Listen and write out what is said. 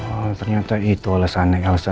oh ternyata itu alasannya elsa